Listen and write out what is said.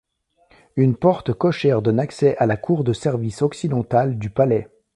Une porte cochère donne accès à la cour de service occidentale du Palais.